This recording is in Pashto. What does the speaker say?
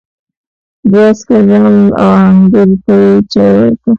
دوه عسکر راغلل او آهنګر ته یې چای ورکړ.